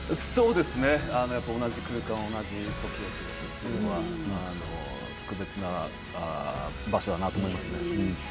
同じ空間同じ時を過ごすというのは特別な場所だなと思いますね。